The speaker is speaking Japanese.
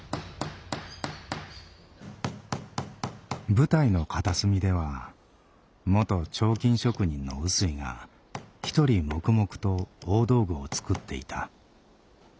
舞台の片隅では元彫金職人の臼井が一人黙々と大道具を作っていた。